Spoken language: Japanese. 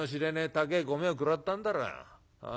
高え米を食らったんだろ。